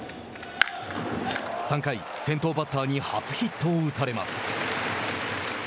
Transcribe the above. ３回、先頭バッターに初ヒットを打たれます。